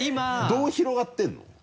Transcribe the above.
どう広がってるの？